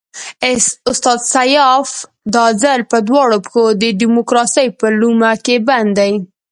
استاد سیاف دا ځل په دواړو پښو د ډیموکراسۍ په لومه کې بند دی.